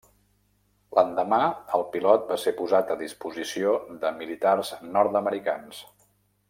L'endemà el pilot va ser posat a disposició de militars nord-americans.